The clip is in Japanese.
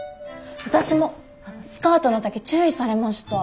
私もスカートの丈注意されました。